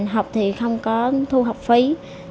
học thì không có thu học phí